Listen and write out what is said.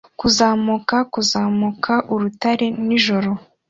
Kuzamuka kuzamuka urutare nijoro